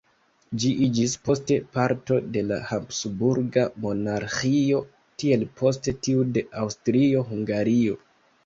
Ĝi iĝis poste parto de la Habsburga Monarĥio tiel poste tiu de Aŭstrio-Hungario.